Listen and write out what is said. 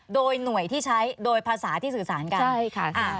โดยหน่วยที่ใช้โดยภาษาที่สื่อสารกันใช่ค่ะ